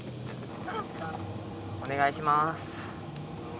お願いします。